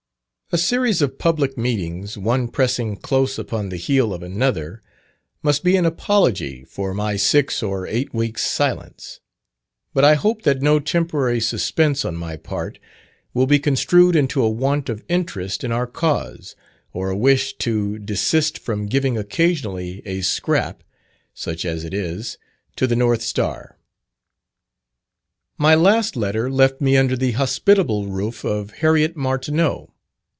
A series of public meetings, one pressing close upon the heel of another, must be an apology for my six or eight weeks' silence. But I hope that no temporary suspense on my part will be construed into a want of interest in our cause, or a wish to desist from giving occasionally a scrap (such as it is) to the North Star. My last letter left me under the hospitable roof of Harriet Martineau.